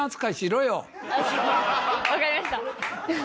分かりました。